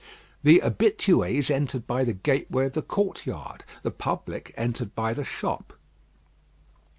The habitués entered by the gateway of the courtyard; the public entered by the shop.